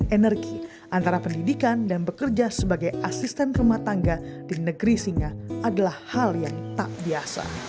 energi antara pendidikan dan bekerja sebagai asisten rumah tangga di negeri singa adalah hal yang tak biasa